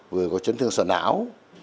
vừa có trấn thương sợ não